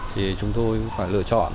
thì chúng tôi phải lựa chọn